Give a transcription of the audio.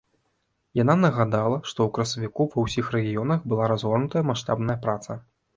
Яна нагадала, што ў красавіку ва ўсіх рэгіёнах была разгорнутая маштабная праца.